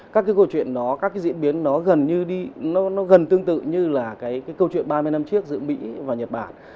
các diễn biến gần tương tự như là câu chuyện ba mươi năm trước giữa mỹ và nhật bản